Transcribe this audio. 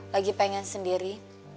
lagi pengen sendiri